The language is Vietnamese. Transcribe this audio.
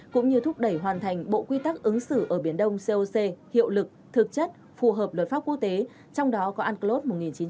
cũng như thúc đẩy hoàn thành bộ quy tắc ứng xử ở biển đông coc hiệu lực thực chất phù hợp luật pháp quốc tế trong đó có unclos một nghìn chín trăm tám mươi hai